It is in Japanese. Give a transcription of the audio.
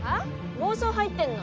妄想入ってんの？